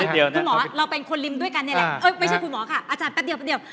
เดี๋ยวเรียนเห็นมือทุกท่านแต่อย่างนี้